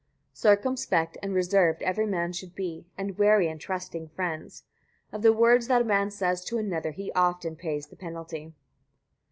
65. Circumspect and reserved every man should be, and wary in trusting friends. Of the words that a man says to another he often pays the penalty.